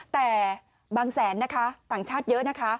แต่บางแสนนะคะต่างชาติเยอะนะคะ